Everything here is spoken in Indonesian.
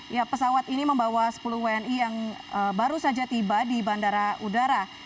ya pesawat ini membawa sepuluh wni yang baru saja tiba di bandara udara